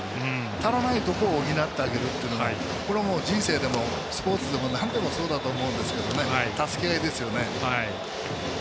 足らないところを補ってあげるというのが人生でもスポーツでもなんでもそうだと思うんですけど助け合いですよね。